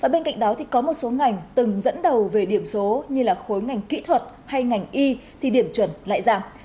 bên cạnh đó thì có một số ngành từng dẫn đầu về điểm số như là khối ngành kỹ thuật hay ngành y thì điểm chuẩn lại giảm